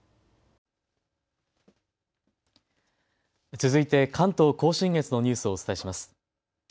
続いて関東甲信越のニュースをお伝えします。